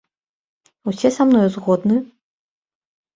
Усе са мною згодны?